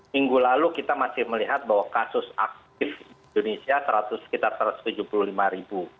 minggu lalu kita masih melihat bahwa kasus aktif di indonesia sekitar satu ratus tujuh puluh lima ribu